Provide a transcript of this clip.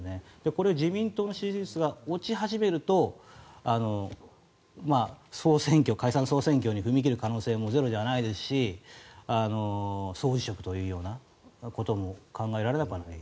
これ、自民党の支持率が落ち始めると解散・総選挙に踏み切る可能性もゼロではないですし総辞職というようなことも考えられなくはない。